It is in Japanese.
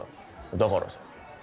だからさ。